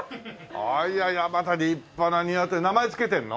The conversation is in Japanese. いやいやまた立派なニワトリ名前つけてるの？